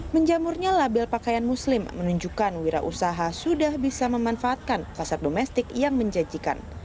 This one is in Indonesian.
menjamurnya label pakaian muslim menunjukkan wira usaha sudah bisa memanfaatkan pasar domestik yang menjanjikan